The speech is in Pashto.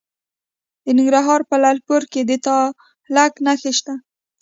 د ننګرهار په لعل پورې کې د تالک نښې شته.